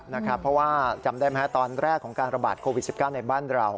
เพราะว่าจำได้ไหมตอนแรกของการระบาดโควิด๑๙ในบ้านเรา